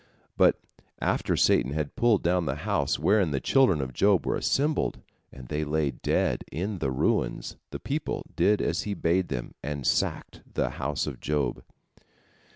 But after Satan had pulled down the house wherein the children of Job were assembled, and they lay dead in the ruins, the people did as he bade them, and sacked the house of Job.